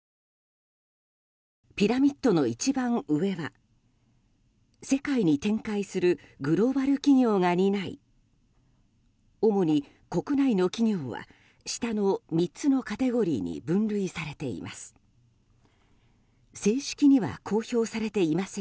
ピラミッドの一番上は世界に展開するグローバル企業が担い主に国内の企業は下の３つのカテゴリーに分類されています。